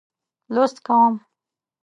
لوست کوم.